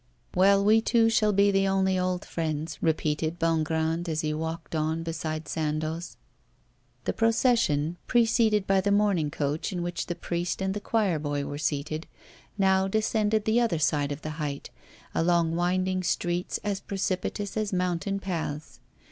'Well, we two shall be the only old friends,' repeated Bongrand as he walked on beside Sandoz. The procession, preceded by the mourning coach in which the priest and the choirboy were seated, now descended the other side of the height, along winding streets as precipitous as mountain paths.